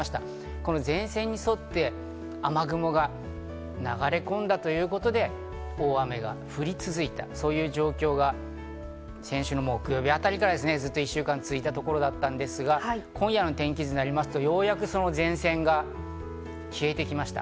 この前線に沿って雨雲が流れ込んだということで大雨が降り続いた、そういう状況が先週の木曜日あたりからずっと１週間続いたところだったんですが、今夜の天気図になると、ようやくその前線が消えてきました。